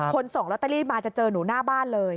ส่งลอตเตอรี่มาจะเจอหนูหน้าบ้านเลย